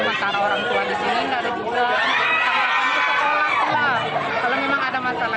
kan tanyalah saya